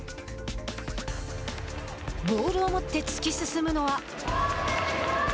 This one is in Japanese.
ボールを持って突き進むのは。